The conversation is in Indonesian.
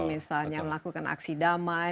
misalnya melakukan aksi damai